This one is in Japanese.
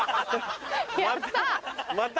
やった！